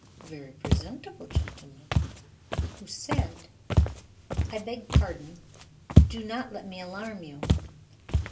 A very presentable gentleman, who said: "I beg pardon. Do not let me alarm you."